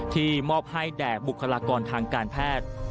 มอบให้แด่บุคลากรทางการแพทย์